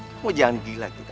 kamu jangan gila tuh